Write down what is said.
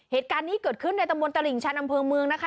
เหตุการณ์นี้เกิดขึ้นในตำบลตลิ่งชันอำเภอเมืองนะคะ